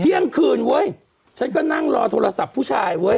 เที่ยงคืนเว้ยฉันก็นั่งรอโทรศัพท์ผู้ชายเว้ย